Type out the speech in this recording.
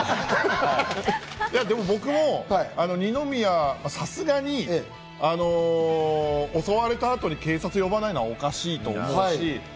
でも僕も二宮、さすがに襲われた後に警察を呼ばないのはおかしいと思うし。